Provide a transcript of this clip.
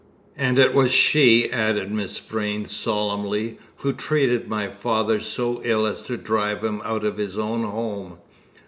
And it was she," added Miss Vrain solemnly, "who treated my father so ill as to drive him out of his own home.